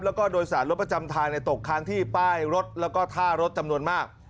แล้วก็โดยสารรถประจำทางตกค้างที่ป้ายรถแล้วก็ท่ารถจำนวนมาก